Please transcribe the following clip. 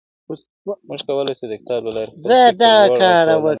موږ کولای سو د کتاب له لاري خپل فکر لوړ او ټولنه ښه کړو -